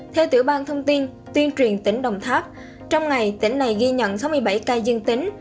theo tiểu ban thông tin tuyên truyền tỉnh đồng tháp trong ngày tỉnh này ghi nhận sáu mươi bảy ca dương tính